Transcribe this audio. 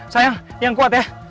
sayang yang kuat ya